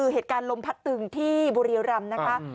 เหตุการณ์ลมพัดตึงที่บุรีรำนะคะ